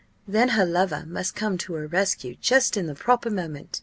Then her lover must come to her rescue just in the proper moment.